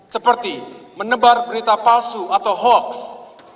seperti menebar berita palsu atau hoax fitnah black campaign dan hal lainnya